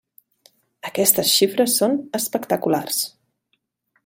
Aquestes xifres són espectaculars.